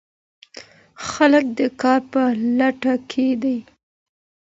خلګ د کار په لټه کي دي.